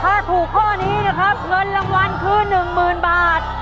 ถ้าถูกข้อนี้นะครับเงินรางวัลคือ๑๐๐๐บาท